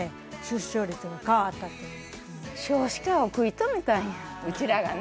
少子化を食い止めたんやうちらがね。